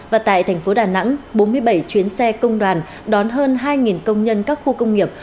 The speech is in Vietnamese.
và tại thành phố đà nẵng bốn mươi bảy chuyến xe công đoàn đón hơn hai công nhân các khu công nghiệp